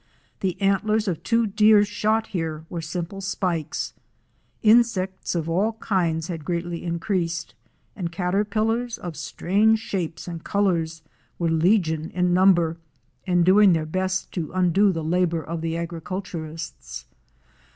The antlers of two deer shot here were simple spikes. Insects of all kinds had greatly increased, and caterpillars of strange shapes and colors were legion in number and doing their WATER TRAIL FROM GEORGETOWN TO AREMU. 247 best to undo the labor of the agriculturists.